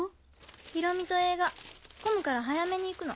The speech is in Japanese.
ひろみと映画混むから早めに行くの。